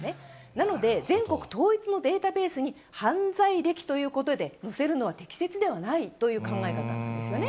なので、全国統一のデータベースに犯罪歴ということで載せるのは適切ではないという考え方なんですよね。